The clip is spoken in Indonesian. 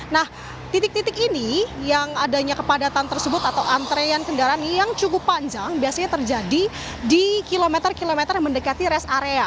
nah titik titik ini yang adanya kepadatan tersebut atau antrean kendaraan yang cukup panjang biasanya terjadi di kilometer kilometer yang mendekati rest area